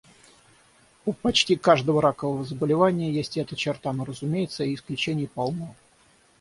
У почти каждого ракового заболевания есть эта черта, но, разумеется, и исключений полно.